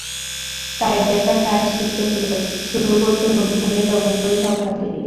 তাই data science শিখতে হলে শুরু করতে হবে গনিত এবং পরিসংখ্যান দিয়েই।